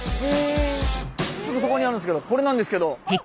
すぐそこにあるんですけどこれなんですけど。